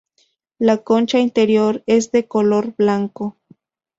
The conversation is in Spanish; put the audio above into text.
La concha interior es de color blanco.